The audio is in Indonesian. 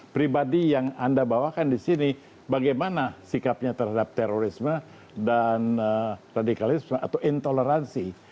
pribadi yang anda bawakan di sini bagaimana sikapnya terhadap terorisme dan radikalisme atau intoleransi